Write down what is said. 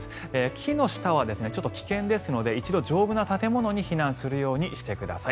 木の下は危険ですので一度丈夫な建物に避難するようにしてください。